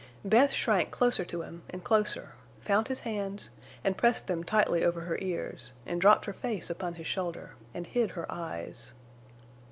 Bess shrank closer to him and closer, found his hands, and pressed them tightly over her ears, and dropped her face upon his shoulder, and hid her eyes.